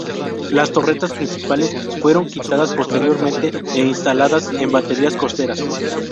Las torretas principales fueron quitadas posteriormente e instaladas en baterías costeras.